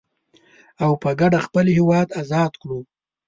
او په کډه خپل هيواد ازاد کړو.